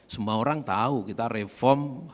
semua orang tahu kita reform